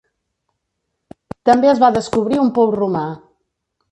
També es va descobrir un pou romà.